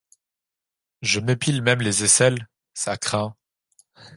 Je m’épile même les aisselles, ça craint…